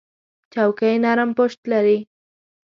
چوکۍ نرم پُشت لري.